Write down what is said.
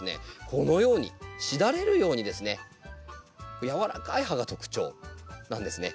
このようにしだれるようにですねやわらかい葉が特徴なんですね。